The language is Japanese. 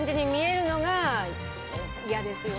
嫌ですよね